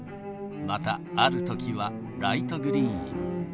また、あるときはライトグリーン。